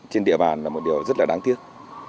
trên địa bàn là một điều rất là đáng tiếc